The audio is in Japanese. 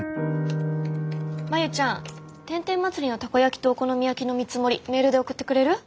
真夕ちゃん天天祭りのたこ焼きとお好み焼きの見積もりメールで送ってくれる？